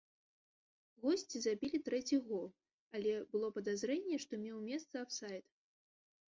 Госці забілі трэці гол, але было падазрэнне, што меў месца афсайд.